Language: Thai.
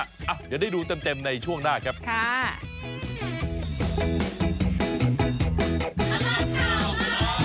อ่ะเดี๋ยวได้ดูเต็มในช่วงหน้าครับค่ะนะครับค่ะ